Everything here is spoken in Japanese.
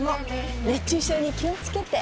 熱中症に気をつけて